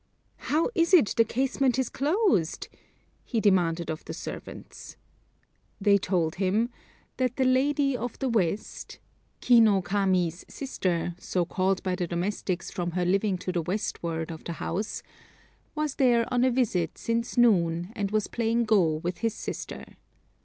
"How is it the casement is closed?" he demanded of the servants. They told him "That the Lady of the West (Ki no Kami's sister, so called by the domestics from her living to the westward of the house) was there on a visit since noon, and was playing Go with his sister."